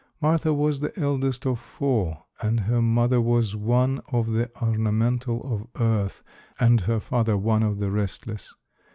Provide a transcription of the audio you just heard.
Martha was the eldest of four and her mother was one of the ornamental of earth, and her father one of the restless.